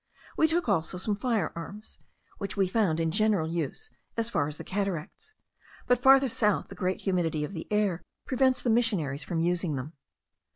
We took also some fire arms, which we found in general use as far as the cataracts; but farther south the great humidity of the air prevents the missionaries from using them.